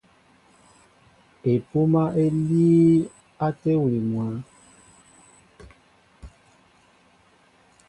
Epúmā é líí á téwili mwǎ.